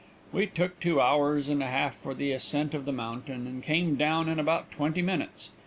We took two hours and a half for the ascent of the mountain, and came down in about twenty minutes.